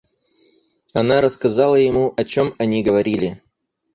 Она рассказала ему, о чем они говорили.